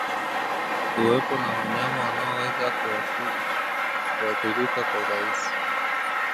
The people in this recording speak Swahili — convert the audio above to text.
Kuwepo kwa wanyama wanaoweza kuathirika kwa urahisi